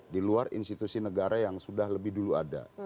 di luar institusi negara yang sudah lebih dulu ada